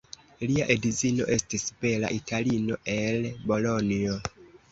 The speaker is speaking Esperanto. Lia edzino estis bela Italino el Bolonjo.